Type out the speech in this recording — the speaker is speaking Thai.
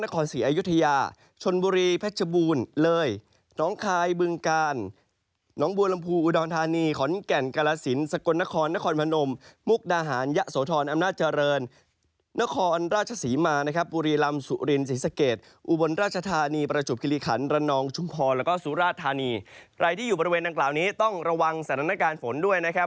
ใครที่อยู่บริเวณดังกล่าวนี้ต้องระวังสถานการณ์ฝนด้วยนะครับ